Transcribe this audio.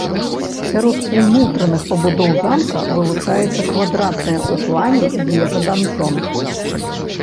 Сярод унутраных пабудоў замка вылучаецца квадратная ў плане вежа-данжон.